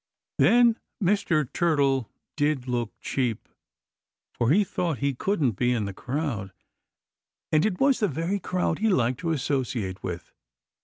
Then Mr. Turtle did look cheap, for he thought he couldn't be in the crowd, and it was the very crowd he liked to associate with.